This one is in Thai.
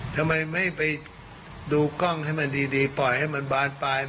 ทำไมไม่ไปดูกล้องให้มันดีปล่อยให้มันบานปลาย